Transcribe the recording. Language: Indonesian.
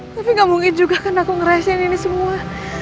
tapi gak mungkin juga kan aku ngeresin ini semua